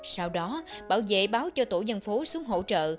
sau đó bảo vệ báo cho tổ dân phố xuống hỗ trợ